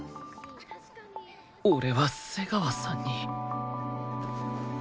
俺は瀬川さんに